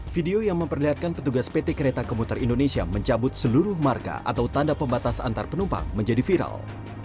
video yang memperlihatkan petugas pt kereta komuter indonesia mencabut seluruh marka atau tanda pembatas antar penumpang menjadi viral